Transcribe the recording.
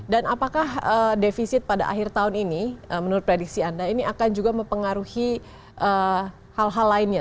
dan apakah defisit pada akhir tahun ini menurut prediksi anda ini akan juga mempengaruhi hal hal lainnya